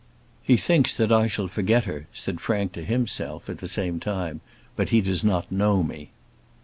"He thinks that I shall forget her," said Frank to himself at the same time; "but he does not know me."